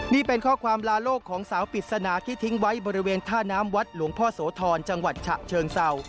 นี่เป็นข้อความลาโลกของสาวปริศนาที่ทิ้งไว้บริเวณท่าน้ำวัดหลวงพ่อโสธรจังหวัดฉะเชิงเศร้า